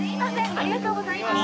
ありがとうございます！